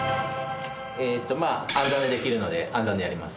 えっとまあ暗算でできるので暗算でやります。